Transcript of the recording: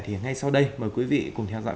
thì ngay sau đây mời quý vị cùng theo dõi